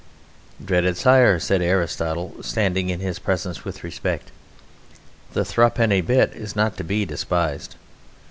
"Dread sire," said Aristotle, standing in his presence with respect, "the thruppenny bit is not to be despised.